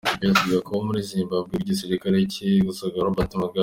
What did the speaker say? Byaherukaga kuba muri Zimbabwe ubwo igisirikare cyeguzaga Robert Mugabe.